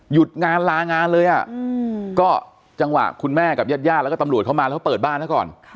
งานลางานเลยอ่ะก็จังหวะคุณแม่กับญาติญาติแล้วก็ตำรวจเข้ามาแล้วเขาเปิดบ้านซะก่อน